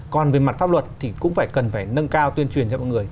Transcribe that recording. còn về mặt pháp luật thì cũng phải cần phải nâng cao tuyên truyền cho mọi người